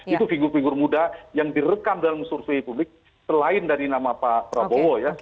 itu figur figur muda yang direkam dalam survei publik selain dari nama pak prabowo ya